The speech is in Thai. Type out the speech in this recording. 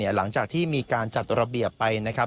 หลังจากที่มีการจัดระเบียบไปนะครับ